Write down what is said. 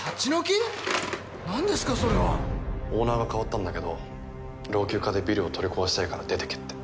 オーナーが代わったんだけど老朽化でビルを取り壊したいから出ていけって。